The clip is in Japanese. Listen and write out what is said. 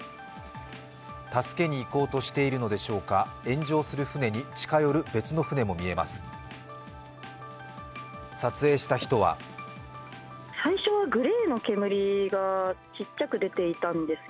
助けに行こうとしているのでしょうか、炎上する船に近寄る別の船も見えます。